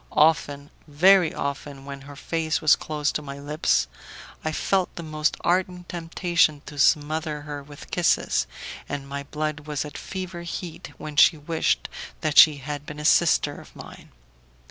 Often, very often, when her face was close to my lips, I felt the most ardent temptation to smother her with kisses, and my blood was at fever heat when she wished that she had been a sister of mine.